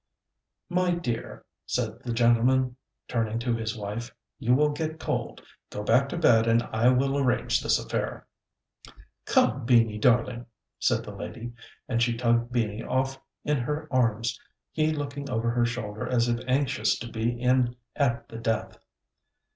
"My dear," said the gentleman turning to his wife, "you will get cold, go back to bed, and I will arrange this affair." "Come, Beanie darling," said the lady, and she tugged Beanie off in her arms, he looking over her shoulder as if anxious to be in at the death.